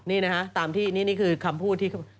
นี่นะฮะตามที่นี่คือคำพูดที่